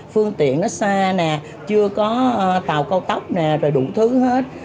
phương tiện nó xa nè chưa có tàu cao tốc nè rồi đủ thứ hết